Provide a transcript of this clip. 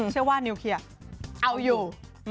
เชื่อว่านิวเคลียร์เอาอยู่